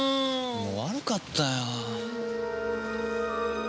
もう悪かったよ。